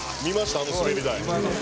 あの滑り台。